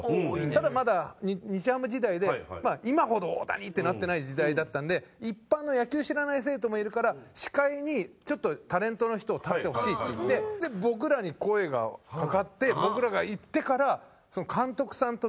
ただまだ日ハム時代で今ほど「大谷！」ってなってない時代だったんで一般の野球知らない生徒もいるから司会にタレントの人を立ててほしいっていって僕らに声がかかって僕らが行ってから監督さんと仲良くなりまして。